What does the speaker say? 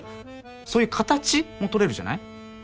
そういう形もとれるじゃない？